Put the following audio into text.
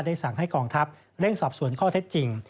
สั่งให้กองทัพเร่งสอบสวนข้อเท็จจริง